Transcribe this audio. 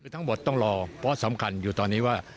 ทั้งหมดต้องรอเพราะสำคัญอยู่ตอนนี้ว่า